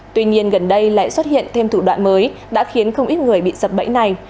tuy nhiên gần đây lại xuất hiện thêm thủ đoạn mới đã khiến không ít người bị sập bẫy này